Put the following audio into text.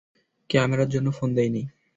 ক্যামেরার জন্য ফোন দেইনি!